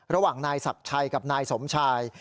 ระหว่างนายศักดิ์ชัยกับนายสมชาย